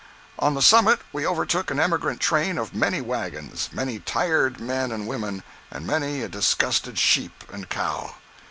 On the summit we overtook an emigrant train of many wagons, many tired men and women, and many a disgusted sheep and cow.